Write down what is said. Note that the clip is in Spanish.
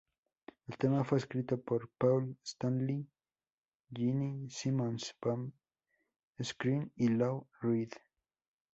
El tema fue escrito por Paul Stanley, Gene Simmons, Bob Ezrin y Lou Reed.